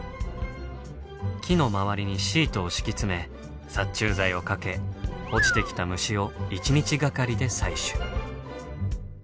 木の周りにシートを敷き詰め殺虫剤をかけ落ちてきた虫を一日がかりで採取。